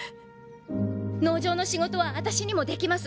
農場の仕事は私にもできます。